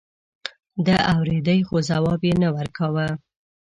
ده اورېدې خو ځواب يې نه ورکاوه.